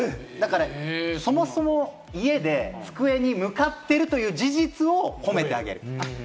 そもそも家で机に向かってるという事実を褒めてあげる。